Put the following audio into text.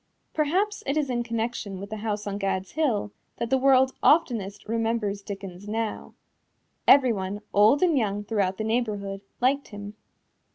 Perhaps it is in connection with this house on Gad's Hill that the world oftenest remembers Dickens now. Everyone, old and young throughout the neighborhood, liked him.